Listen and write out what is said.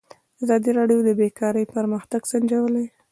ازادي راډیو د بیکاري پرمختګ سنجولی.